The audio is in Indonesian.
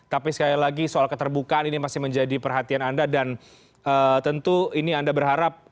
tapi sekali lagi soal keterbukaan ini masih menjadi perhatian anda dan tentu ini anda berharap